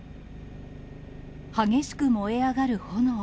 激しく燃え上がる炎。